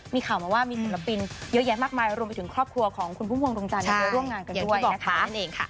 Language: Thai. มีข่าวมาว่ามีศิลปินเยอะแยะมากมายรวมไปถึงครอบครัวของคุณพุ่มพวงดวงจันทร์ไปร่วมงานกันด้วยนะคะ